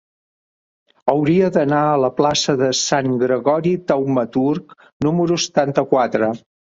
Hauria d'anar a la plaça de Sant Gregori Taumaturg número setanta-quatre.